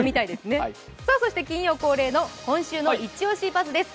そして金曜恒例の「今週のイチオシバズ！」です。